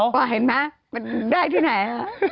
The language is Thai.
ว่าเห็นไหมได้ที่ไหน